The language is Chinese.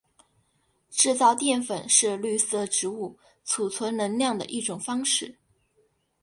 制造淀粉是绿色植物贮存能量的一种方式。